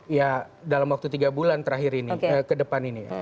ya dalam waktu tiga bulan terakhir ini ke depan ini ya